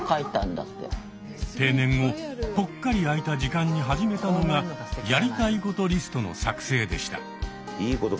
定年後ぽっかり空いた時間に始めたのがやりたいことリストの作成でした。